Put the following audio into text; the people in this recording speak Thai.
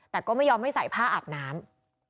แต่ก็ไม่ยอมให้ใส่ผ้าอาบน้ำ